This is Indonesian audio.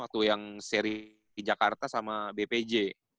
waktu yang seri jakarta sama bpj